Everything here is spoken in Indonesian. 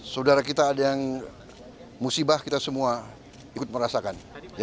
saudara kita ada yang musibah kita semua ikut merasakan